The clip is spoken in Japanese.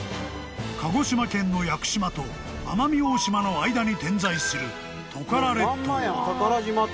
［鹿児島県の屋久島と奄美大島の間に点在するトカラ列島］